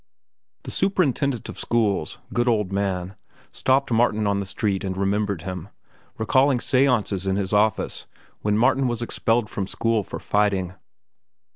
The Superintendent of Schools, good old man, stopped Martin on the street and remembered him, recalling seances in his office when Martin was expelled from school for fighting.